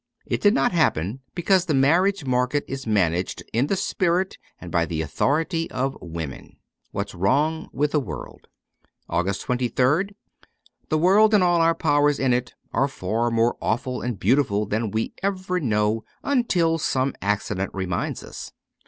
It did not happen because the marriage market is managed in the spirit and by the authority of women. ' What's Wrong with the World.' 260 AUGUST 23rd THIS world and all our powers in it are far more awful and beautiful than we ever know until some accident reminds us.